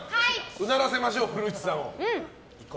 うならせましょう、古市さんを。